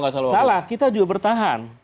salah kita juga bertahan